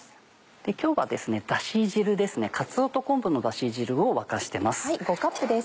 今日はダシ汁ですねかつおと昆布のダシ汁を沸かしてます。